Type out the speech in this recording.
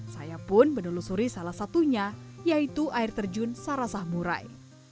saya pun menelusuri salah satunya yaitu air terjun sarasah murai